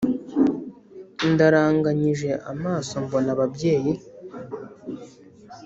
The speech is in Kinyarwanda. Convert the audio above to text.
Ndaranganyije amaso mbona ababyeyi